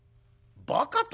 ばかと。